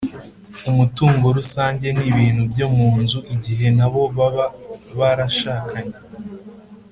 umutungo rusange n’ibintu byo mu nzu igihe nabo baba barashakanye?